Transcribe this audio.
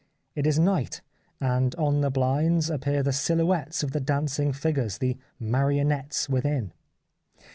It is night, and on the blinds appear the " silhouettes " of the dancing figures, the " marionettes " within.